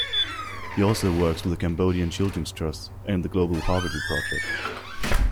He also works with the Cambodian Children's Trust and the Global Poverty Project.